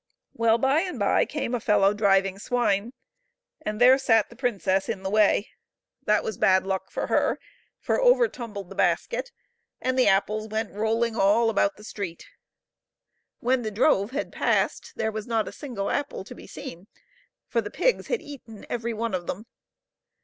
Well, by and by came a fellow driving swine, and there sat the princess in the way ; that was bad luck for her, for over tumbled the basket, and the 276 HOW THE PRINCESS'S PRIDE WAS BROKEN. apples went rolling all about the street. When the drove had passed there was not a single apple to be seen, for the pigs had eaten every one of them.